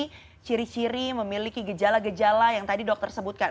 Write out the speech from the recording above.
memiliki ciri ciri memiliki gejala gejala yang tadi dokter sebutkan